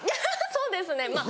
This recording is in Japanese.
そうですねまぁ。